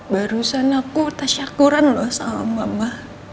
barusan aku tasyakuran loh sama mama